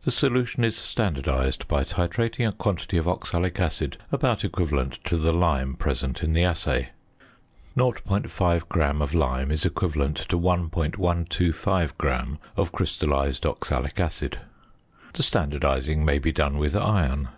The solution is standardised by titrating a quantity of oxalic acid about equivalent to the lime present in the assay; 0.5 gram of lime is equivalent to 1.125 gram of crystallised oxalic acid. The standardising may be done with iron.